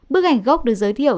bức ảnh gốc được giới thiệu